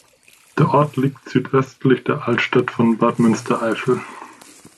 Der Ort liegt südöstlich der Altstadt von Bad Münstereifel.